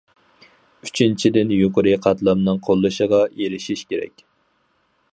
ئۈچىنچىدىن، يۇقىرى قاتلامنىڭ قوللىشىغا ئېرىشىش كېرەك.